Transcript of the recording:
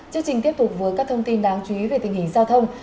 chương trình tiếp tục với các thông tin đáng chú ý về tình hình giao thông